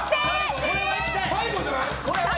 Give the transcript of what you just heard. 最後じゃない？